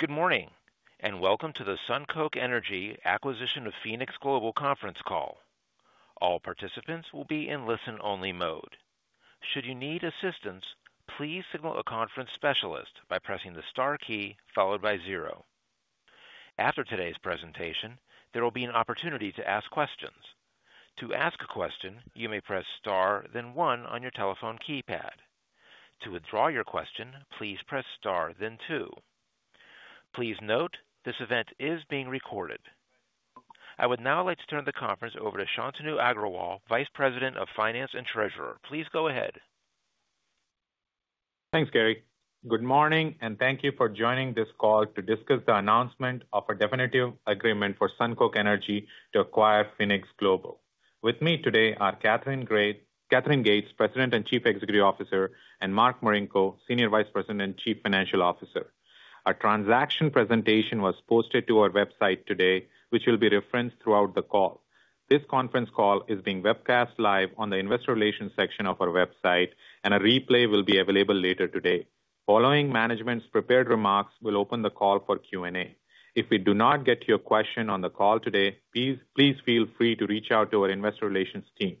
Good morning, and welcome to the SunCoke Energy Acquisition of Phoenix Global Conference call. All participants will be in listen-only mode. Should you need assistance, please signal a conference specialist by pressing the star key followed by zero. After today's presentation, there will be an opportunity to ask questions. To ask a question, you may press star, then one on your telephone keypad. To withdraw your question, please press star, then two. Please note, this event is being recorded. I would now like to turn the conference over to Shantanu Agrawal, Vice President of Finance and Treasurer. Please go ahead. Thanks, Gary. Good morning, and thank you for joining this call to discuss the announcement of a definitive agreement for SunCoke Energy to acquire Phoenix Global. With me today are Katherine Gates, President and Chief Executive Officer, and Mark Marinko, Senior Vice President and Chief Financial Officer. Our transaction presentation was posted to our website today, which will be referenced throughout the call. This conference call is being webcast live on the investor relations section of our website, and a replay will be available later today. Following management's prepared remarks, we'll open the call for Q&A. If we do not get to your question on the call today, please feel free to reach out to our investor relations team.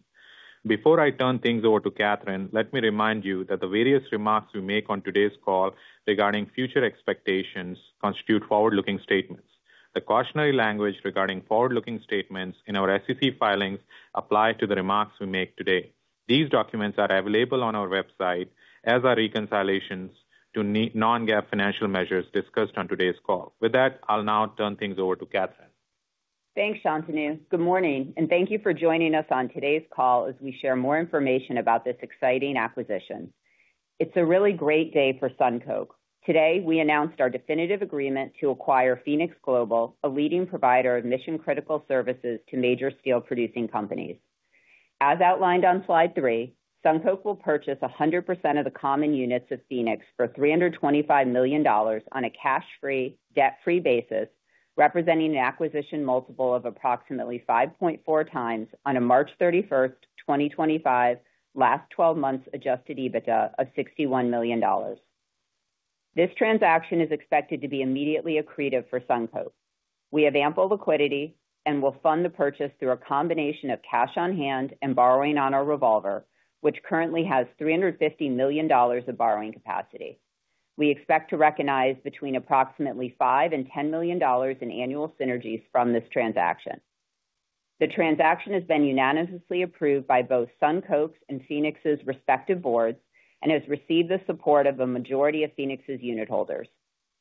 Before I turn things over to Katherine, let me remind you that the various remarks we make on today's call regarding future expectations constitute forward-looking statements. The cautionary language regarding forward-looking statements in our SEC filings applies to the remarks we make today. These documents are available on our website as are reconciliations to non-GAAP financial measures discussed on today's call. With that, I'll now turn things over to Katherine. Thanks, Shantanu. Good morning, and thank you for joining us on today's call as we share more information about this exciting acquisition. It's a really great day for SunCoke. Today, we announced our definitive agreement to acquire Phoenix Global, a leading provider of mission-critical services to major steel-producing companies. As outlined on slide three, SunCoke will purchase 100% of the common units of Phoenix for $325 million on a cash-free, debt-free basis, representing an acquisition multiple of approximately 5.4 times on a March 31, 2025, last 12 months adjusted EBITDA of $61 million. This transaction is expected to be immediately accretive for SunCoke. We have ample liquidity and will fund the purchase through a combination of cash on hand and borrowing on our revolver, which currently has $350 million of borrowing capacity. We expect to recognize between approximately $5-$10 million in annual synergies from this transaction. The transaction has been unanimously approved by both SunCoke's and Phoenix's respective boards and has received the support of the majority of Phoenix's unit holders.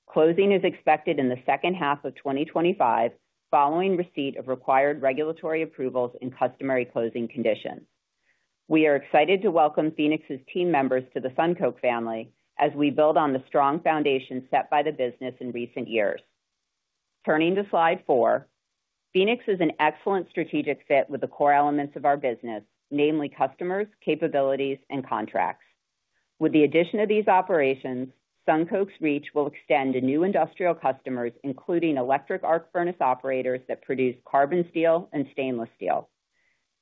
Closing is expected in the second half of 2025 following receipt of required regulatory approvals and customary closing conditions. We are excited to welcome Phoenix's team members to the SunCoke family as we build on the strong foundation set by the business in recent years. Turning to slide four, Phoenix is an excellent strategic fit with the core elements of our business, namely customers, capabilities, and contracts. With the addition of these operations, SunCoke's reach will extend to new industrial customers, including electric arc furnace operators that produce carbon steel and stainless steel.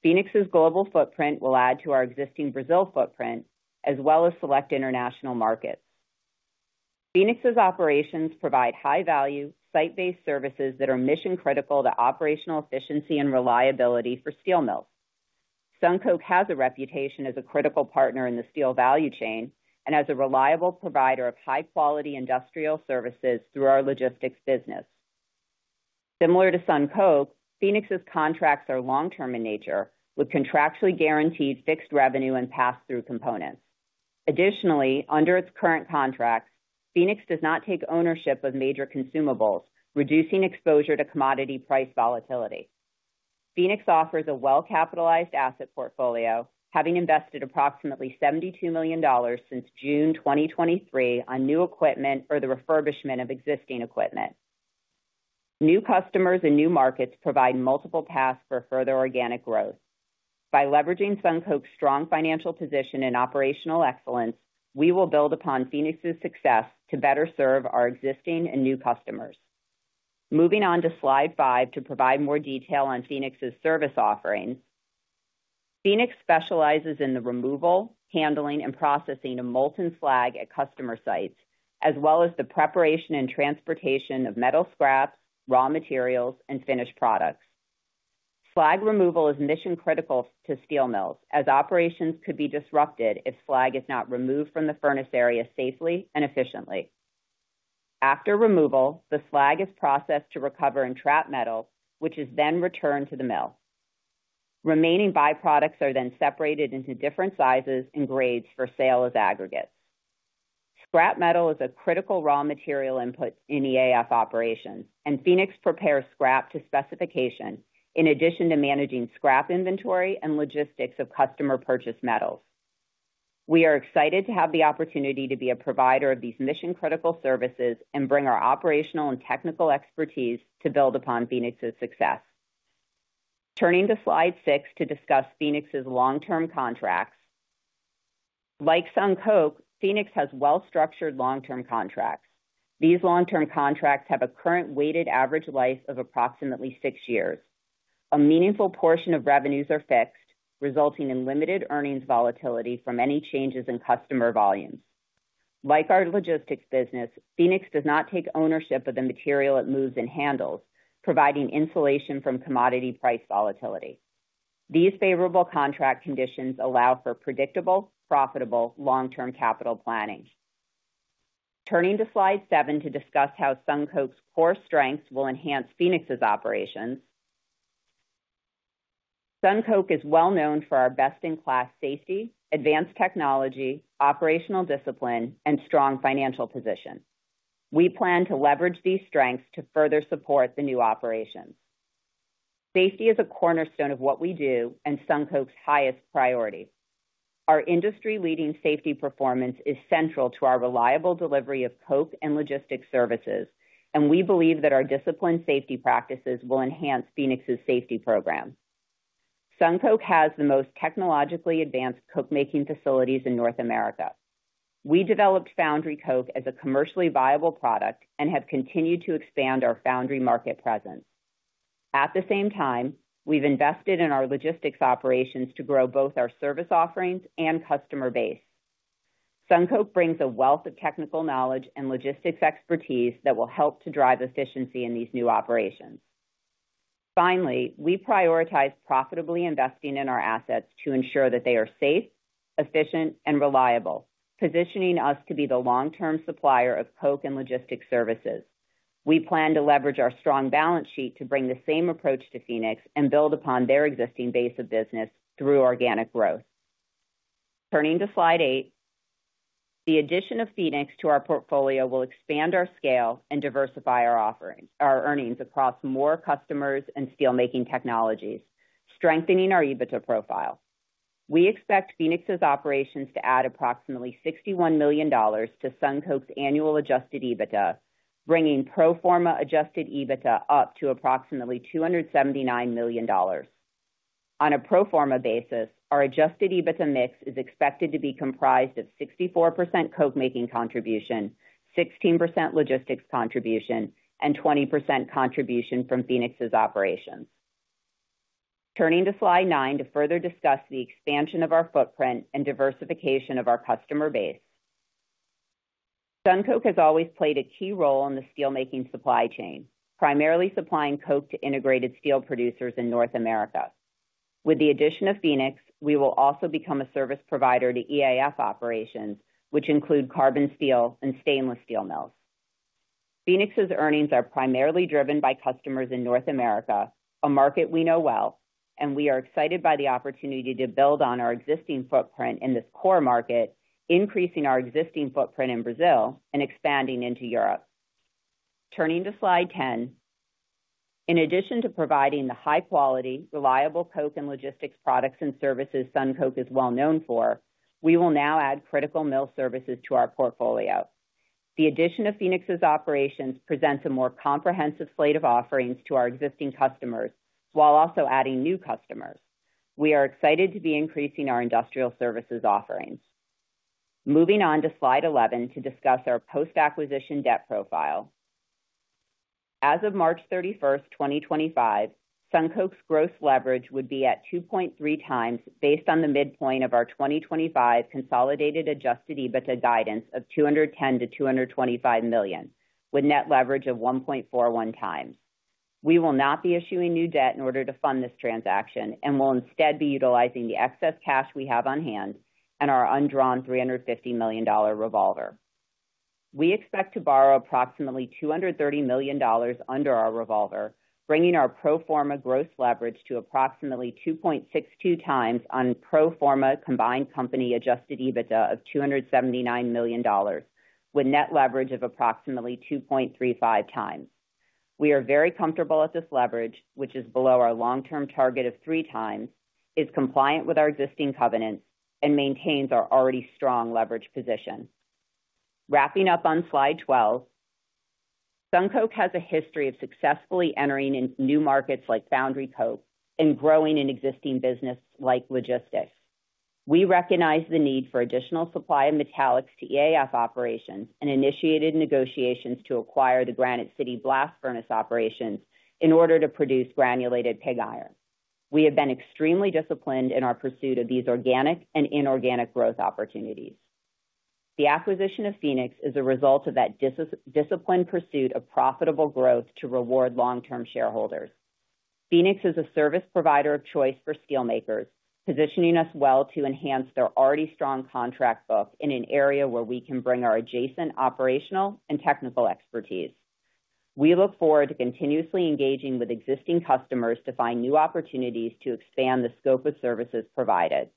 Phoenix's global footprint will add to our existing Brazil footprint as well as select international markets. Phoenix's operations provide high-value, site-based services that are mission-critical to operational efficiency and reliability for steel mills. SunCoke has a reputation as a critical partner in the steel value chain and as a reliable provider of high-quality industrial services through our logistics business. Similar to SunCoke, Phoenix's contracts are long-term in nature, with contractually guaranteed fixed revenue and pass-through components. Additionally, under its current contracts, Phoenix does not take ownership of major consumables, reducing exposure to commodity price volatility. Phoenix offers a well-capitalized asset portfolio, having invested approximately $72 million since June 2023 on new equipment or the refurbishment of existing equipment. New customers and new markets provide multiple paths for further organic growth. By leveraging SunCoke's strong financial position and operational excellence, we will build upon Phoenix's success to better serve our existing and new customers. Moving on to slide five to provide more detail on Phoenix's service offering. Phoenix specializes in the removal, handling, and processing of molten slag at customer sites, as well as the preparation and transportation of metal scraps, raw materials, and finished products. Slag removal is mission-critical to steel mills, as operations could be disrupted if slag is not removed from the furnace area safely and efficiently. After removal, the slag is processed to recover and trap metal, which is then returned to the mill. Remaining byproducts are then separated into different sizes and grades for sale as aggregates. Scrap metal is a critical raw material input in EAF operations, and Phoenix prepares scrap to specification in addition to managing scrap inventory and logistics of customer-purchased metals. We are excited to have the opportunity to be a provider of these mission-critical services and bring our operational and technical expertise to build upon Phoenix's success. Turning to slide six to discuss Phoenix's long-term contracts. Like SunCoke, Phoenix has well-structured long-term contracts. These long-term contracts have a current weighted average life of approximately six years. A meaningful portion of revenues are fixed, resulting in limited earnings volatility from any changes in customer volume. Like our logistics business, Phoenix does not take ownership of the material it moves and handles, providing insulation from commodity price volatility. These favorable contract conditions allow for predictable, profitable long-term capital planning. Turning to slide seven to discuss how SunCoke's core strengths will enhance Phoenix's operations. SunCoke is well known for our best-in-class safety, advanced technology, operational discipline, and strong financial position. We plan to leverage these strengths to further support the new operations. Safety is a cornerstone of what we do and SunCoke's highest priority. Our industry-leading safety performance is central to our reliable delivery of coke and logistics services, and we believe that our disciplined safety practices will enhance Phoenix's safety program. SunCoke has the most technologically advanced coke-making facilities in North America. We developed foundry coke as a commercially viable product and have continued to expand our foundry market presence. At the same time, we've invested in our logistics operations to grow both our service offerings and customer base. SunCoke brings a wealth of technical knowledge and logistics expertise that will help to drive efficiency in these new operations. Finally, we prioritize profitably investing in our assets to ensure that they are safe, efficient, and reliable, positioning us to be the long-term supplier of coke and logistics services. We plan to leverage our strong balance sheet to bring the same approach to Phoenix and build upon their existing base of business through organic growth. Turning to slide eight, the addition of Phoenix to our portfolio will expand our scale and diversify our earnings across more customers and steel-making technologies, strengthening our EBITDA profile. We expect Phoenix's operations to add approximately $61 million to SunCoke's annual adjusted EBITDA, bringing pro forma adjusted EBITDA up to approximately $279 million. On a pro forma basis, our adjusted EBITDA mix is expected to be comprised of 64% Coke-making contribution, 16% logistics contribution, and 20% contribution from Phoenix's operations. Turning to slide nine to further discuss the expansion of our footprint and diversification of our customer base. SunCoke has always played a key role in the steel-making supply chain, primarily supplying Coke to integrated steel producers in North America. With the addition of Phoenix, we will also become a service provider to EAF operations, which include carbon steel and stainless steel mills. Phoenix's earnings are primarily driven by customers in North America, a market we know well, and we are excited by the opportunity to build on our existing footprint in this core market, increasing our existing footprint in Brazil and expanding into Europe. Turning to slide ten, in addition to providing the high-quality, reliable coke and logistics products and services SunCoke is well known for, we will now add critical mill services to our portfolio. The addition of Phoenix's operations presents a more comprehensive slate of offerings to our existing customers while also adding new customers. We are excited to be increasing our industrial services offerings. Moving on to slide eleven to discuss our post-acquisition debt profile. As of March 31, 2025, SunCoke's gross leverage would be at 2.3 times based on the midpoint of our 2025 consolidated adjusted EBITDA guidance of $210-$225 million, with net leverage of 1.41 times. We will not be issuing new debt in order to fund this transaction and will instead be utilizing the excess cash we have on hand and our undrawn $350 million revolver. We expect to borrow approximately $230 million under our revolver, bringing our pro forma gross leverage to approximately 2.62 times on pro forma combined company adjusted EBITDA of $279 million, with net leverage of approximately 2.35 times. We are very comfortable at this leverage, which is below our long-term target of three times, is compliant with our existing covenants, and maintains our already strong leverage position. Wrapping up on slide twelve, SunCoke has a history of successfully entering in new markets like Foundry Coke and growing an existing business like logistics. We recognize the need for additional supply of metallics to EAF operations and initiated negotiations to acquire the Granite City blast furnace operations in order to produce granulated pig iron. We have been extremely disciplined in our pursuit of these organic and inorganic growth opportunities. The acquisition of Phoenix is a result of that disciplined pursuit of profitable growth to reward long-term shareholders. Phoenix is a service provider of choice for steel makers, positioning us well to enhance their already strong contract book in an area where we can bring our adjacent operational and technical expertise. We look forward to continuously engaging with existing customers to find new opportunities to expand the scope of services provided.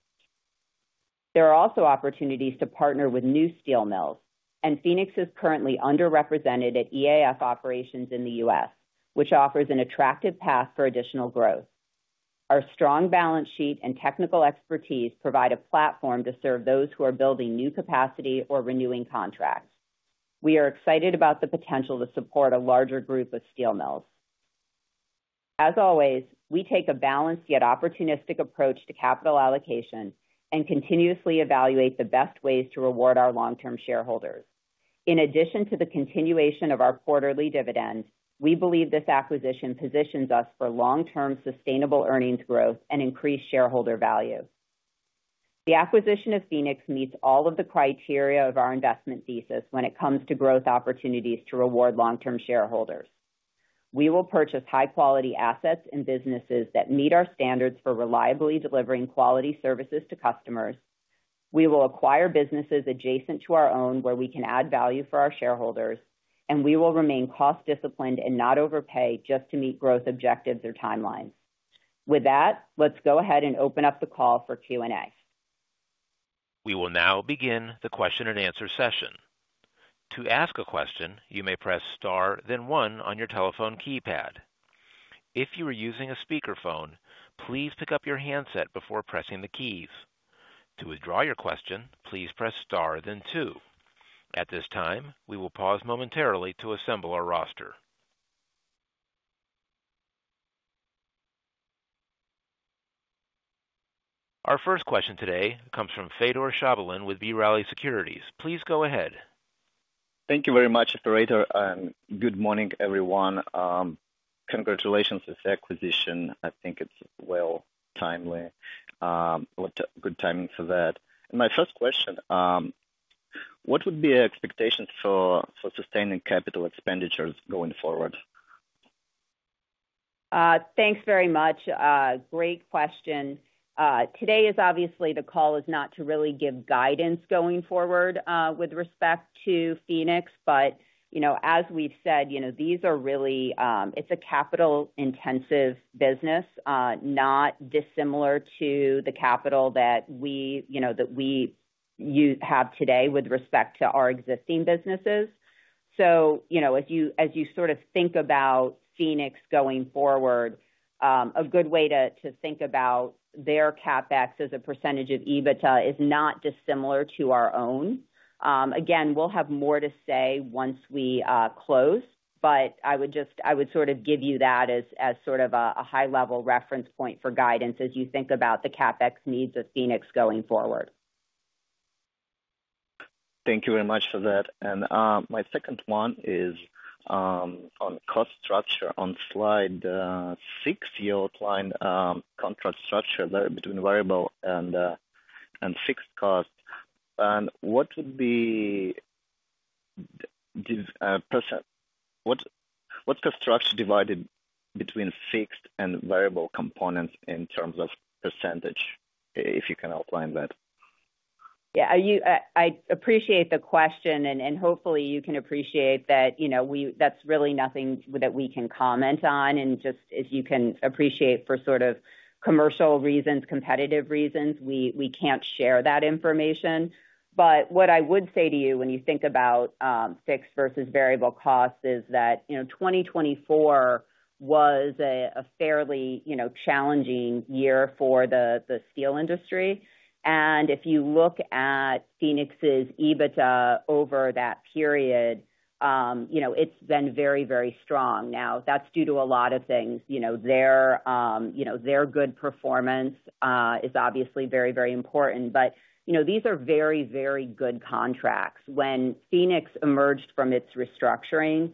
There are also opportunities to partner with new steel mills, and Phoenix is currently underrepresented at EAF operations in the U.S., which offers an attractive path for additional growth. Our strong balance sheet and technical expertise provide a platform to serve those who are building new capacity or renewing contracts. We are excited about the potential to support a larger group of steel mills. As always, we take a balanced yet opportunistic approach to capital allocation and continuously evaluate the best ways to reward our long-term shareholders. In addition to the continuation of our quarterly dividend, we believe this acquisition positions us for long-term sustainable earnings growth and increased shareholder value. The acquisition of Phoenix meets all of the criteria of our investment thesis when it comes to growth opportunities to reward long-term shareholders. We will purchase high-quality assets and businesses that meet our standards for reliably delivering quality services to customers. We will acquire businesses adjacent to our own where we can add value for our shareholders, and we will remain cost-disciplined and not overpay just to meet growth objectives or timelines. With that, let's go ahead and open up the call for Q&A. We will now begin the question and answer session. To ask a question, you may press star, then one on your telephone keypad. If you are using a speakerphone, please pick up your handset before pressing the keys. To withdraw your question, please press star, then two. At this time, we will pause momentarily to assemble our roster. Our first question today comes from Fedor Shavelin with B. Riley Securities. Please go ahead. Thank you very much, Operator. Good morning, everyone. Congratulations on this acquisition. I think it's well timely. Good timing for that. My first question, what would be expectations for sustaining capital expenditures going forward? Thanks very much. Great question. Today is obviously the call is not to really give guidance going forward with respect to Phoenix, but as we've said, these are really it's a capital-intensive business, not dissimilar to the capital that we have today with respect to our existing businesses. As you sort of think about Phoenix going forward, a good way to think about their CapEx as a percentage of EBITDA is not dissimilar to our own. Again, we'll have more to say once we close, but I would sort of give you that as sort of a high-level reference point for guidance as you think about the CapEx needs of Phoenix going forward. Thank you very much for that. My second one is on cost structure. On slide six, you outlined contract structure between variable and fixed cost. What would be the structure divided between fixed and variable components in terms of percentage, if you can outline that? I appreciate the question, and hopefully you can appreciate that that is really nothing that we can comment on. Just as you can appreciate, for commercial reasons, competitive reasons, we cannot share that information. What I would say to you when you think about fixed versus variable cost is that 2024 was a fairly challenging year for the steel industry. If you look at Phoenix's EBITDA over that period, it has been very, very strong. That is due to a lot of things. Their good performance is obviously very, very important, but these are very, very good contracts. When Phoenix emerged from its restructuring,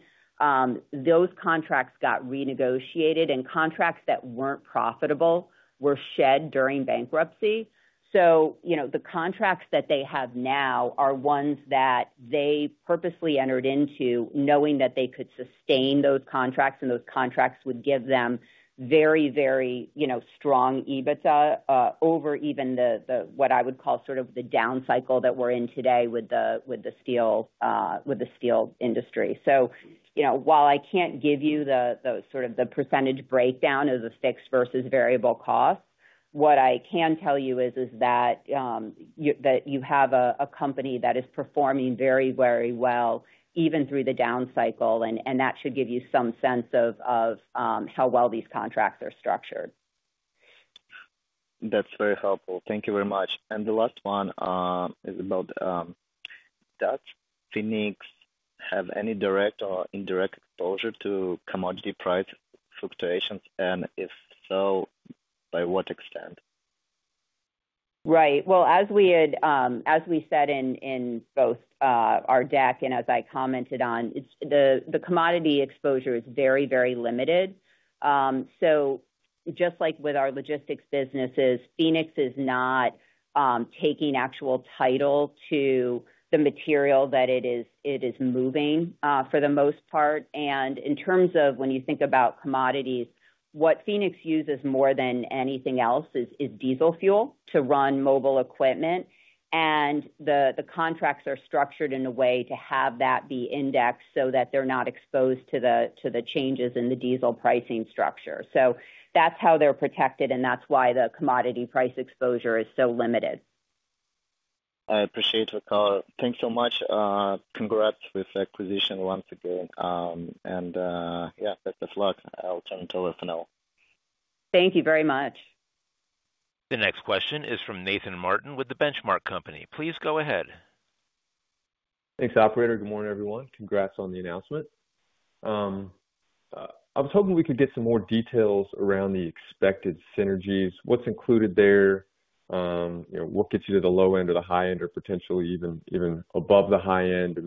those contracts got renegotiated, and contracts that were not profitable were shed during bankruptcy. The contracts that they have now are ones that they purposely entered into knowing that they could sustain those contracts, and those contracts would give them very, very strong EBITDA over even what I would call sort of the down cycle that we are in today with the steel industry. While I cannot give you sort of the percentage breakdown of the fixed versus variable cost, what I can tell you is that you have a company that is performing very, very well even through the down cycle, and that should give you some sense of how well these contracts are structured. That is very helpful. Thank you very much. The last one is about that. Phoenix have any direct or indirect exposure to commodity price fluctuations, and if so, by what extent? Right. As we said in both our deck and as I commented on, the commodity exposure is very, very limited. Just like with our logistics businesses, Phoenix is not taking actual title to the material that it is moving for the most part. In terms of when you think about commodities, what Phoenix uses more than anything else is diesel fuel to run mobile equipment, and the contracts are structured in a way to have that be indexed so that they're not exposed to the changes in the diesel pricing structure. That is how they're protected, and that is why the commodity price exposure is so limited. I appreciate your call. Thanks so much. Congrats with acquisition once again. Best of luck. I'll turn it over for now. Thank you very much. The next question is from Nathan Martin with the Benchmark Company. Please go ahead. Thanks, Operator. Good morning, everyone. Congrats on the announcement. I was hoping we could get some more details around the expected synergies. What's included there? What gets you to the low end or the high end or potentially even above the high end?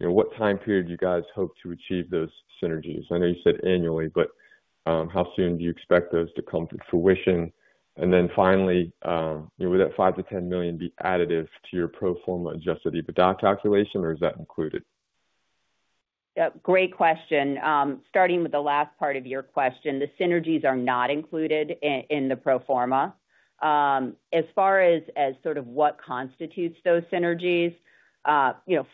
What time period do you guys hope to achieve those synergies? I know you said annually, but how soon do you expect those to come to fruition? Finally, would that $5 million-$10 million be additive to your pro forma adjusted EBITDA calculation, or is that included? Yep. Great question. Starting with the last part of your question, the synergies are not included in the pro forma. As far as sort of what constitutes those synergies,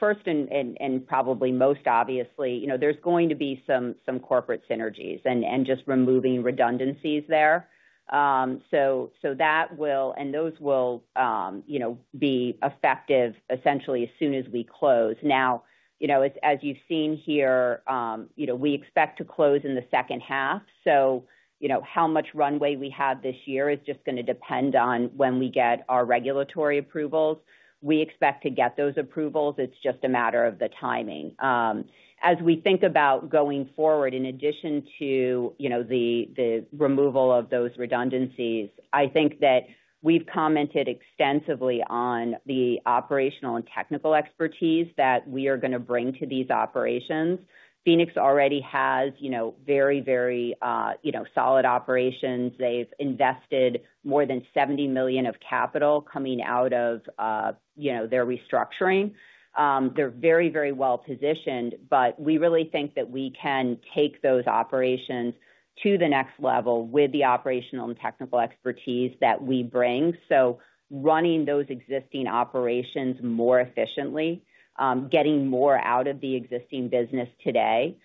first and probably most obviously, there's going to be some corporate synergies and just removing redundancies there. That will, and those will be effective essentially as soon as we close. As you've seen here, we expect to close in the second half. How much runway we have this year is just going to depend on when we get our regulatory approvals. We expect to get those approvals. It's just a matter of the timing. As we think about going forward, in addition to the removal of those redundancies, I think that we've commented extensively on the operational and technical expertise that we are going to bring to these operations. Phoenix already has very, very solid operations. They've invested more than $70 million of capital coming out of their restructuring. They're very, very well positioned, but we really think that we can take those operations to the next level with the operational and technical expertise that we bring. Running those existing operations more efficiently, getting more out of the existing business today.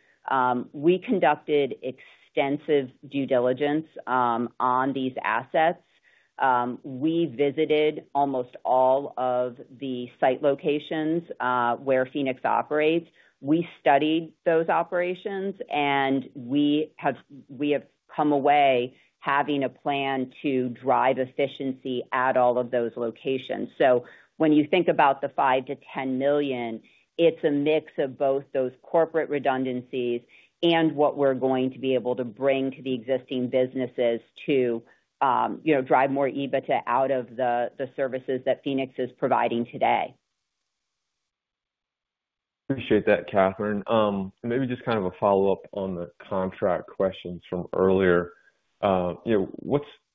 We conducted extensive due diligence on these assets. We visited almost all of the site locations where Phoenix operates. We studied those operations, and we have come away having a plan to drive efficiency at all of those locations. When you think about the $5 million-$10 million, it's a mix of both those corporate redundancies and what we're going to be able to bring to the existing businesses to drive more EBITDA out of the services that Phoenix is providing today. Appreciate that, Katherine. Maybe just kind of a follow-up on the contract questions from earlier.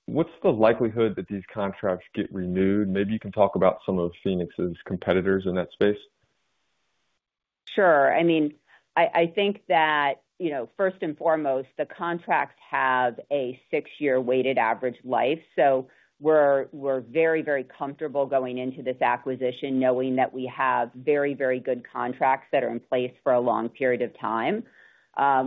What's the likelihood that these contracts get renewed? Maybe you can talk about some of Phoenix's competitors in that space. Sure. I mean, I think that first and foremost, the contracts have a six-year weighted average life. So we're very, very comfortable going into this acquisition knowing that we have very, very good contracts that are in place for a long period of time.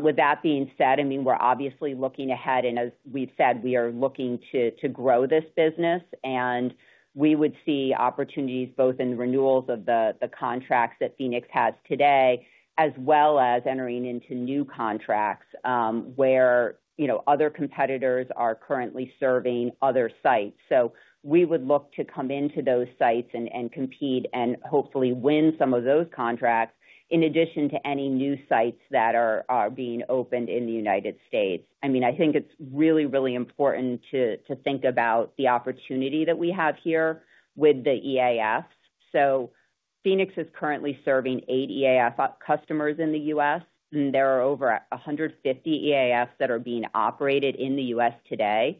With that being said, I mean, we're obviously looking ahead, and as we've said, we are looking to grow this business. We would see opportunities both in the renewals of the contracts that Phoenix has today, as well as entering into new contracts where other competitors are currently serving other sites. We would look to come into those sites and compete and hopefully win some of those contracts in addition to any new sites that are being opened in the United States. I mean, I think it's really, really important to think about the opportunity that we have here with the EAF. Phoenix is currently serving eight EAF customers in the U.S., and there are over 150 EAFs that are being operated in the U.S. today.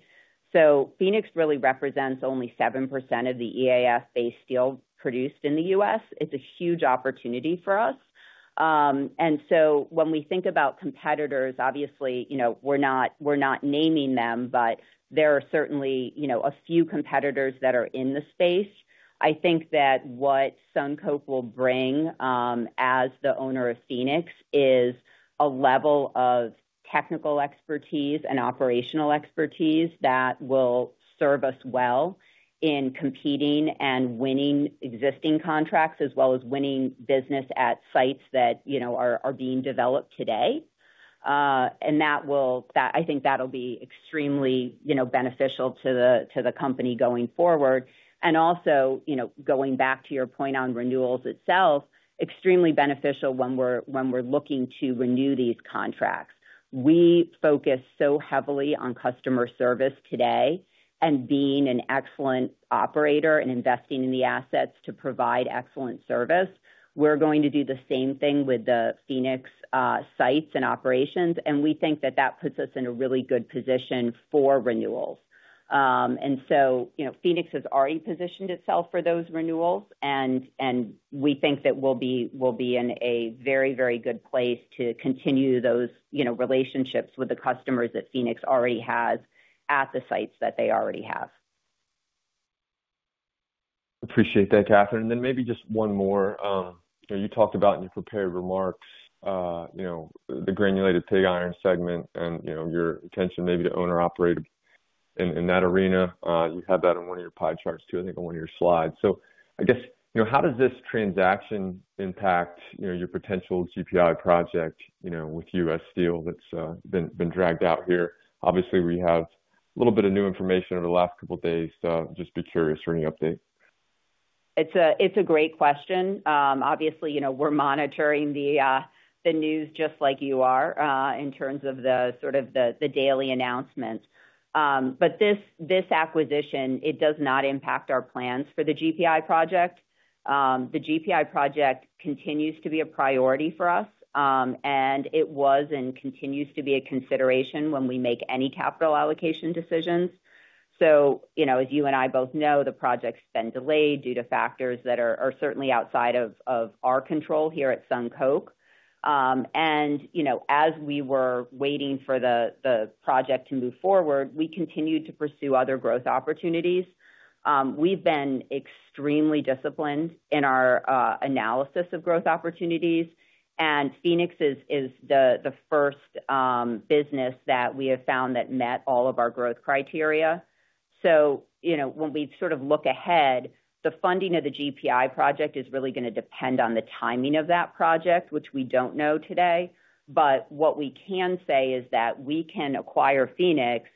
Phoenix really represents only 7% of the EAF-based steel produced in the U.S. It's a huge opportunity for us. When we think about competitors, obviously, we're not naming them, but there are certainly a few competitors that are in the space. I think that what SunCoke will bring as the owner of Phoenix is a level of technical expertise and operational expertise that will serve us well in competing and winning existing contracts as well as winning business at sites that are being developed today. I think that'll be extremely beneficial to the company going forward. Also, going back to your point on renewals itself, extremely beneficial when we're looking to renew these contracts. We focus so heavily on customer service today and being an excellent operator and investing in the assets to provide excellent service. We're going to do the same thing with the Phoenix sites and operations, and we think that that puts us in a really good position for renewals. Phoenix has already positioned itself for those renewals, and we think that we'll be in a very, very good place to continue those relationships with the customers that Phoenix already has at the sites that they already have. Appreciate that, Katherine. Maybe just one more. You talked about in your prepared remarks the granulated pig iron segment and your attention maybe to owner-operated in that arena. You had that on one of your pie charts too, I think, on one of your slides. I guess, how does this transaction impact your potential GPI project with U.S. Steel that's been dragged out here? Obviously, we have a little bit of new information over the last couple of days, so just be curious for any update. It's a great question. Obviously, we're monitoring the news just like you are in terms of the sort of the daily announcements. This acquisition, it does not impact our plans for the GPI project. The GPI project continues to be a priority for us, and it was and continues to be a consideration when we make any capital allocation decisions. As you and I both know, the project's been delayed due to factors that are certainly outside of our control here at SunCoke. As we were waiting for the project to move forward, we continued to pursue other growth opportunities. We've been extremely disciplined in our analysis of growth opportunities, and Phoenix is the first business that we have found that met all of our growth criteria. When we sort of look ahead, the funding of the GPI project is really going to depend on the timing of that project, which we don't know today. What we can say is that we can acquire Phoenix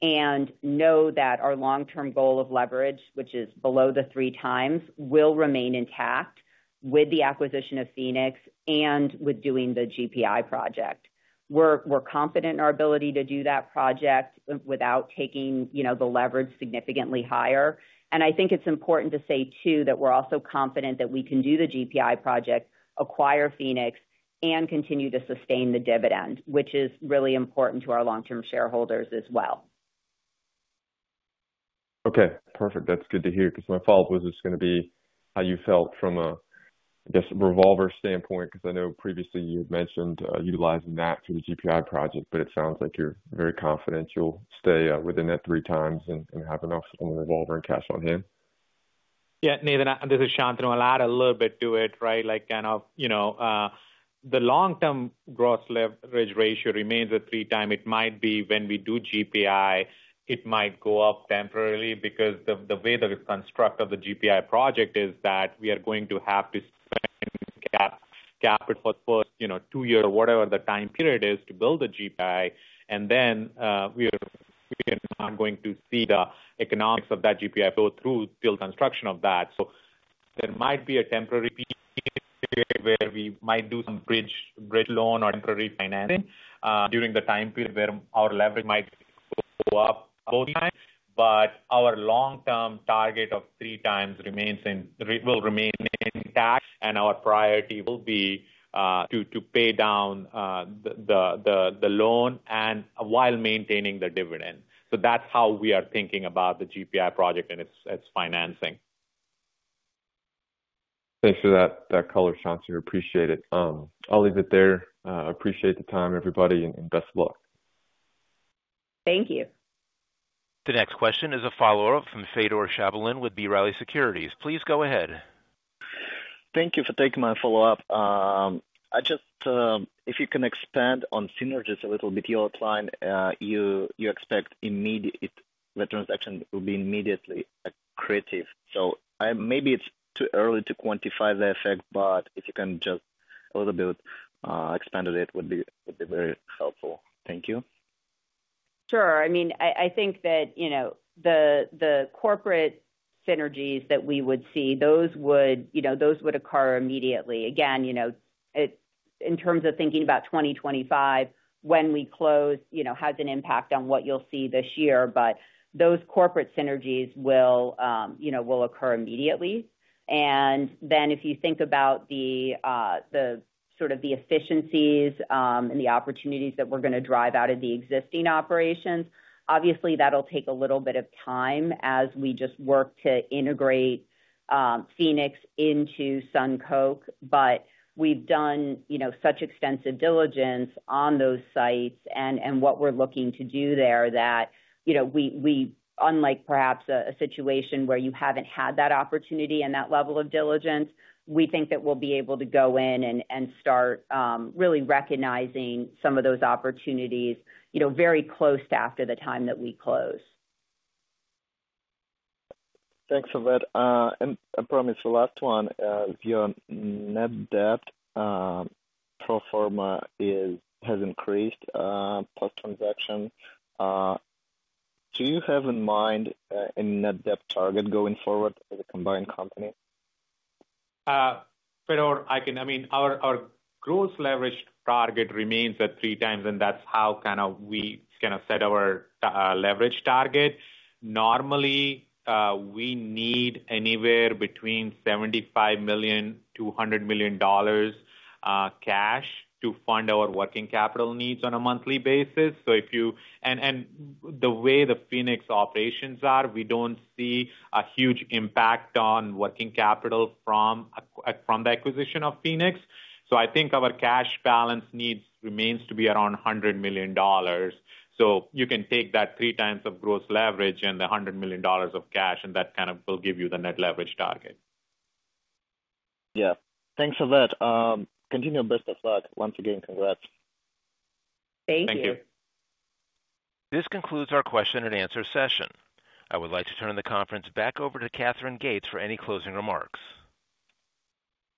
and know that our long-term goal of leverage, which is below the three times, will remain intact with the acquisition of Phoenix and with doing the GPI project. We're confident in our ability to do that project without taking the leverage significantly higher. I think it's important to say too that we're also confident that we can do the GPI project, acquire Phoenix, and continue to sustain the dividend, which is really important to our long-term shareholders as well. Okay. Perfect. That's good to hear because my follow-up was just going to be how you felt from a, I guess, revolver standpoint because I know previously you had mentioned utilizing that for the GPI project, but it sounds like you're very confident you'll stay within that three times and have enough on the revolver and cash on hand. Yeah. Nathan, this is Shantanu, I'll add a little bit to it, right? Like kind of the long-term gross leverage ratio remains at three times. It might be when we do GPI, it might go up temporarily because the way that it's constructed of the GPI project is that we are going to have to cap it for the first two years or whatever the time period is to build the GPI. We are not going to see the economics of that GPI go through till construction of that. There might be a temporary period where we might do some bridge loan or temporary financing during the time period where our leverage might go up both times. Our long-term target of three times will remain intact, and our priority will be to pay down the loan while maintaining the dividend. That is how we are thinking about the GPI project and its financing. Thanks for that, Col. Shantanu. Appreciate it. I'll leave it there. Appreciate the time, everybody, and best of luck. Thank you. The next question is a follow-up from Fedor Shavelin with B. Riley Securities. Please go ahead. Thank you for taking my follow-up. If you can expand on synergies a little bit, you outlined you expect the transaction will be immediately accretive. Maybe it's too early to quantify the effect, but if you can just a little bit expand on it, it would be very helpful. Thank you. Sure. I mean, I think that the corporate synergies that we would see, those would occur immediately. Again, in terms of thinking about 2025, when we close, has an impact on what you'll see this year. Those corporate synergies will occur immediately. If you think about the sort of the efficiencies and the opportunities that we're going to drive out of the existing operations, obviously, that'll take a little bit of time as we just work to integrate Phoenix into SunCoke. We've done such extensive diligence on those sites and what we're looking to do there that we, unlike perhaps a situation where you haven't had that opportunity and that level of diligence, we think that we'll be able to go in and start really recognizing some of those opportunities very close to after the time that we close. Thanks for that. Probably the last one, your net debt pro forma has increased plus transaction. Do you have in mind a net debt target going forward as a combined company? Fedor, I mean, our gross leverage target remains at three times, and that's how we kind of set our leverage target. Normally, we need anywhere between $75 million-$100 million cash to fund our working capital needs on a monthly basis. The way the Phoenix operations are, we don't see a huge impact on working capital from the acquisition of Phoenix. I think our cash balance needs remains to be around $100 million. You can take that three times of gross leverage and the $100 million of cash, and that kind of will give you the net leverage target. Yeah. Thanks for that. Continue your best of luck. Once again, congrats. Thank you. This concludes our question and answer session. I would like to turn the conference back over to Katherine Gates for any closing remarks.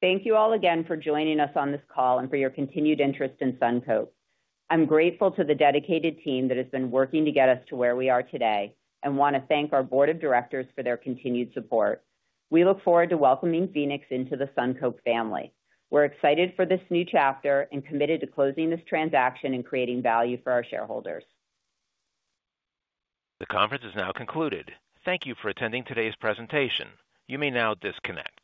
Thank you all again for joining us on this call and for your continued interest in SunCoke. I'm grateful to the dedicated team that has been working to get us to where we are today and want to thank our board of directors for their continued support. We look forward to welcoming Phoenix into the SunCoke family. We're excited for this new chapter and committed to closing this transaction and creating value for our shareholders. The conference is now concluded. Thank you for attending today's presentation. You may now disconnect.